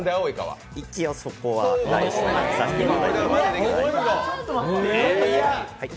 一応そこは内緒にさせていただいています。